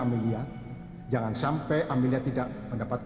tidak jangan tidak tidak